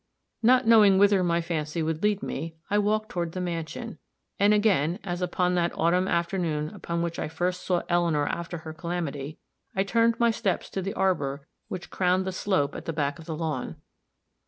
Not knowing whither my fancy would lead me, I walked toward the mansion, and again, as upon that autumn afternoon upon which I first saw Eleanor after her calamity, I turned my steps to the arbor which crowned the slope at the back of the lawn.